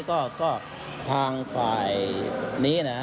ก็ทางฝ่ายนี้นะฮะ